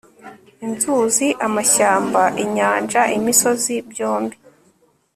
inzuzi, amashyamba, inyanja, imisozi, byombi